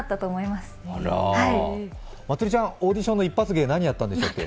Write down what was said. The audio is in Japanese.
まつりちゃん、オーディションの一発芸は何をやったんでしたっけ？